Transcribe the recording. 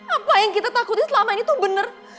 apa yang kita takutin selama ini tuh bener